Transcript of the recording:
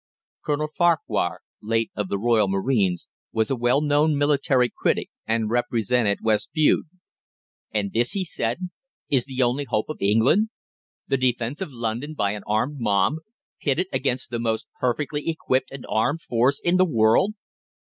Colonel Farquhar, late of the Royal Marines, was a well known military critic, and represented West Bude. "And this," he said, "is the only hope of England! The defence of London by an armed mob, pitted against the most perfectly equipped and armed force in the world!